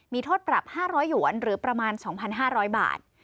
มีโทษปรับ๕๐๐หยวนหรือประมาณ๒๕๐๐บาท